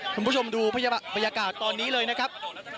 คุณผู้ชมดูบรรยากาศตอนนี้เลยนะครับ